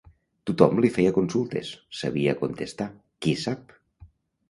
Tot-hom li feia consultes, sabia contestar – Qui sap!